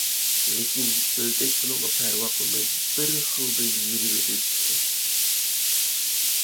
لېكىن، ئۆردەك بۇنىڭغا پەرۋا قىلماي بىر خىلدا يۈگۈرۈۋېرىپتۇ.